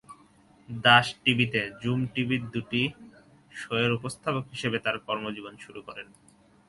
দাস টিভিতে জুম টিভির দুটি শোয়ের উপস্থাপক হিসেবে তার কর্মজীবন শুরু করেন।